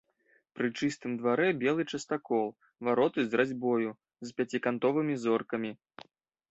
Пры чыстым дварэ белы частакол, вароты з разьбою, з пяцікантовымі зоркамі.